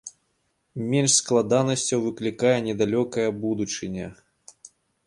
Менш складанасцяў выклікае недалёкая будучыня.